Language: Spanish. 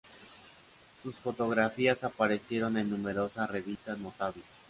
Sus fotografías aparecieron en numerosas revistas notables.